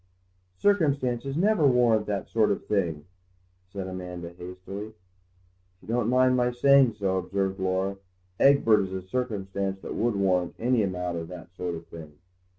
"Circumstances never warrant that sort of thing," said Amanda hastily. "If you don't mind my saying so," observed Laura, "Egbert is a circumstance that would warrant any amount of that sort of thing.